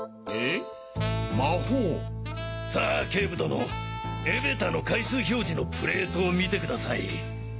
さあ警部殿エレベーターの階数表示のプレートを見てください。